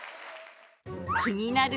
気になる！